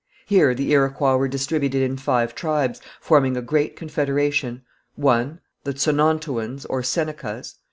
Here the Iroquois were distributed in five tribes, forming a great confederation. (1.) The Tsonnontouans or Senecas.